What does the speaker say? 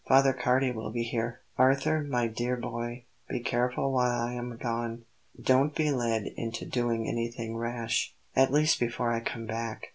Father Cardi will be here. Arthur, my dear boy, be careful while I am gone; don't be led into doing anything rash, at least before I come back.